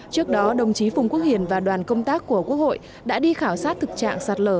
trước đó đồng chí phùng quốc hiển và đoàn công tác của quốc hội đã đi khảo sát thực trạng sạt lở